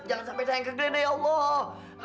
jangan sampai sayang ke gleda ya allah